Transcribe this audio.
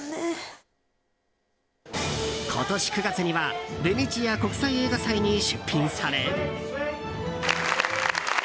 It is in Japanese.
今年９月にはベネチア国際映画祭に出品され。